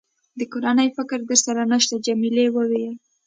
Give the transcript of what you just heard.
د کورنۍ فکر در سره نشته؟ جميلې وويل:.